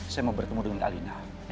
saya mau bertemu dengan alina